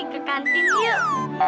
ke kantin yuk